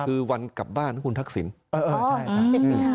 คือวันกลับบ้านคุณทักศิลป์